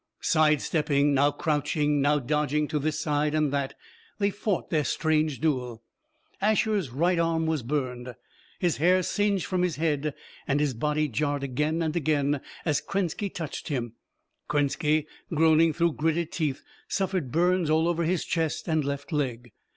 Side stepping, now crouching, now dodging to this side and that, they fought their strange duel. Asher's right arm was burned, his hair singed from his head, and his body jarred again and again as Krenski touched him. Krenski, groaning through gritted teeth, suffered burns all over his chest and left leg.